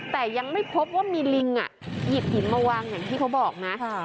แต่ยังไม่พบว่ามีลิงหยิบหินมาวางอย่างที่เขาบอกนะ